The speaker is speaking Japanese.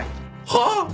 はあ！？